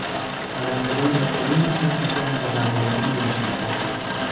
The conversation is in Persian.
پرندگان به پایین میچرخیدند و بر بامها مینشستند.